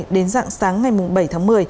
đến dạng sáng ngày bảy tháng một mươi